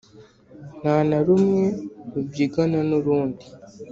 Nta na rumwe rubyigana n’urundi,